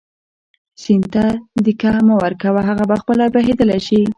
سیند ته دیکه مه ورکوه هغه په خپله بهېدلی شي.